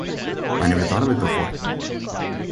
I never thought of it before.